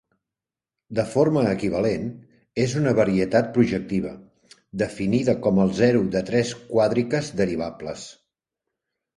De forma equivalent, és una varietat projectiva, definida com el zero de tres quàdriques derivables.